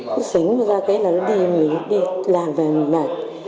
cứ xính ra cái là nó đi mình đi làm và mình mệt